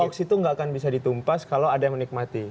hoax itu nggak akan bisa ditumpas kalau ada yang menikmati